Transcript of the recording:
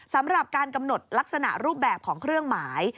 สำหรับการกำหนดลักษณะรูปแบบของเครื่องหมาย